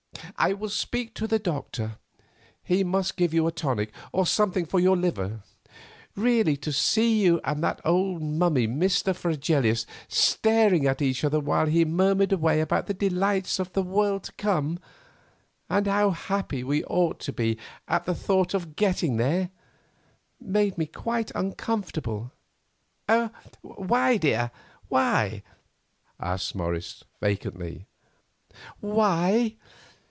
I will speak to the doctor. He must give you a tonic, or something for your liver. Really, to see you and that old mummy Mr. Fregelius staring at each other while he murmured away about the delights of the world to come, and how happy we ought to be at the thought of getting there, made me quite uncomfortable." "Why? Why, dear?" asked Morris, vacantly. "Why?